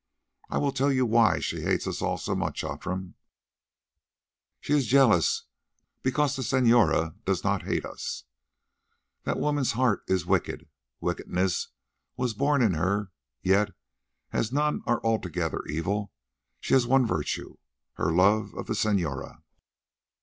I will tell you why she hates us all so much, Outram. She is jealous, because the senora—does not hate us. That woman's heart is wicked, wickedness was born in her, yet, as none are altogether evil, she has one virtue, her love of the senora.